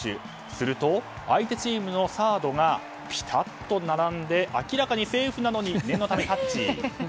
すると、相手チームのサードがピタッと並んで明らかにセーフなのに念のためタッチ。